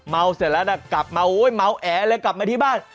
เสร็จแล้วนะกลับมาโอ้ยเมาแอเลยกลับมาที่บ้าน